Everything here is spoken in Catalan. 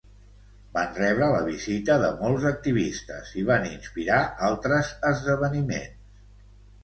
Van rebre la visita de molts activistes i van inspirar altres esdeveniments.